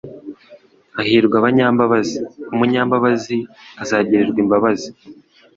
«Hahirwa abanyambabazi.» Umunyambabazi azagirirwa imbabazi,